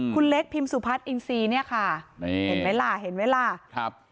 คุณเล็กพิมสุพัฒน์อินซีเนี่ยค่ะนี่เห็นไหมล่ะเห็นไหมล่ะครับ